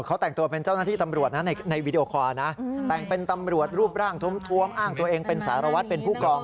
เขาแต่งตัวเป็นเจ้าหน้าที่ตำรวจนะในวีดีโอคอร์นะแต่งเป็นตำรวจรูปร่างท้วมอ้างตัวเองเป็นสารวัตรเป็นผู้กอง